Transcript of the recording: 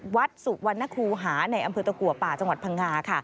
วัดสุวรรณคูหาในอำเภอตะกัวป่าจังหวัดพังงาค่ะ